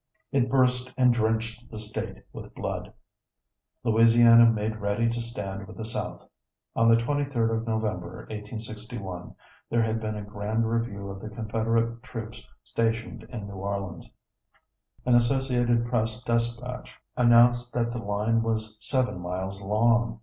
It burst and drenched the State with blood. Louisiana made ready to stand with the South. On the 23d of November, 1861, there had been a grand review of the Confederate troops stationed in New Orleans. An associated press despatch announced that the line was seven miles long.